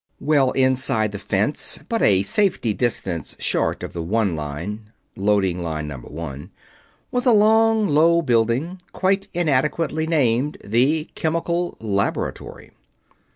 Well inside the fence, but a safety distance short of the One Line Loading Line Number One was a long, low building, quite inadequately named the Chemical Laboratory.